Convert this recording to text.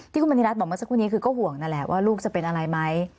ที่คุณมณีรัฐบอกเมื่อสักครู่นี้คือก็ห่วงนั่นแหละว่าลูกจะเป็นอะไรไหม